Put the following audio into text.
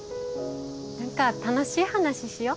何か楽しい話しよ。